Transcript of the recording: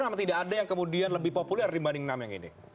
nama tidak ada yang kemudian lebih populer dibanding enam yang ini